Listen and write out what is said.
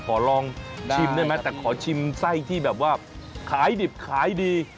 ขอลองชิมได้ไหมแต่ขอชิมไส้ที่แบบว่าขายดิบขายดี